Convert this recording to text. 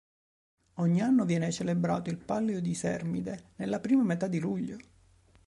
Ogni anno viene celebrato il Palio di Sermide, nella prima metà di luglio.